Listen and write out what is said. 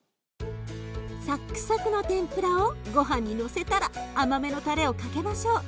サックサクの天ぷらをごはんにのせたら甘めのタレをかけましょう。